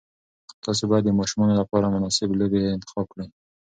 تاسي باید د ماشومانو لپاره مناسب لوبې انتخاب کړئ.